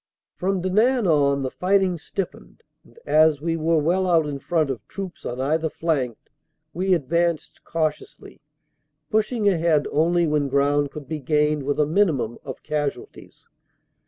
From Denain on the fighting stiffened and as we were well out in front of troops on either flank we advanced cautiously, pushing ahead only when ground could be gained with a minimum of casualties.